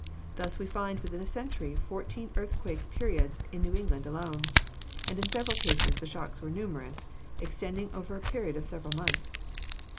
Thus we find within a century fourteen earthquake periods in New England alone; and in several cases the shocks were numerous, extending over a period of several months.